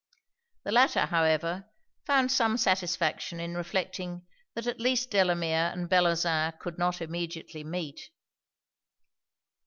The latter, however, found some satisfaction in reflecting that at least Delamere and Bellozane could not immediately meet.